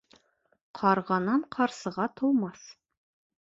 Ҡарғанан ҡарсыға тыумаҫ